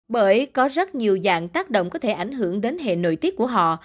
bởi có rất nhiều dạng tác động có thể ảnh hưởng đến hệ nội tiết của họ